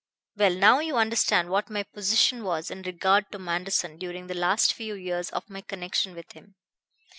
"Well, now you understand what my position was in regard to Manderson during the last few years of my connection with him.